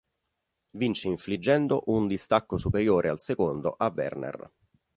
Vince infliggendo un distacco superiore al secondo a Verner.